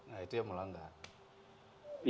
nah itu yang mulai